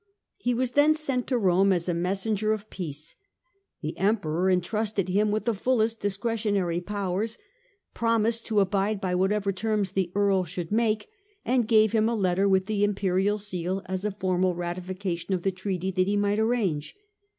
He was then sent to Rome as a messenger of 200 STUPOR MUNDI peace. The Emperor entrusted him with the fullest discretionary powers, promised to abide by whatever terms the Earl should make, and gave him a letter with the Imperial seal as a formal ratification of the treaty that he might arrange.